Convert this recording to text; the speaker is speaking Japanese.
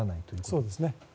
そうです。